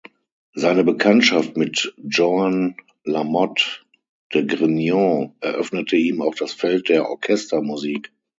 Seine Bekanntschaft mit Joan Lamote de Grignon eröffnete ihm auch das Feld der Orchestermusik.